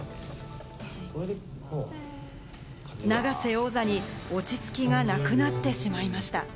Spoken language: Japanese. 永瀬王座に落ち着きがなくなってしまいました。